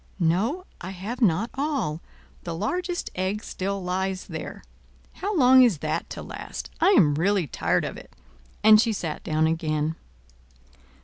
"No, I have not all. The largest egg still lies there. How long is that to last? I am really tired of it." And she sat down again.